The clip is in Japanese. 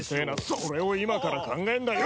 それを今から考えんだよ！